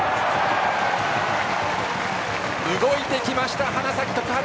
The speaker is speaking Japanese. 動いてきました、花咲徳栄！